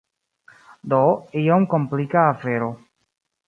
Do, iom komplika afero.